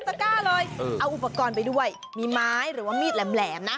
ตะก้าเลยเอาอุปกรณ์ไปด้วยมีไม้หรือว่ามีดแหลมนะ